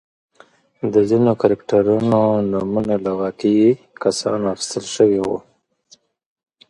د ځینو کرکټرونو نومونه له واقعي کسانو اخیستل شوي وو.